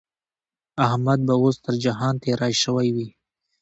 احمد به اوس تر جهان تېری شوی وي.